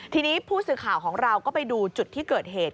ทีนี้ผู้สื่อข่าวของเราก็ไปดูจุดที่เกิดเหตุ